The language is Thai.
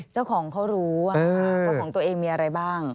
เจ้าของเขารู้ว่าของตัวเองมีอะไรบ้าง